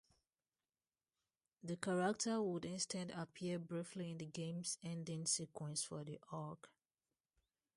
The character would instead appear briefly in the game's ending sequence for the Hulk.